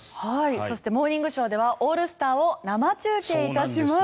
そして「モーニングショー」ではオールスターを生中継いたします。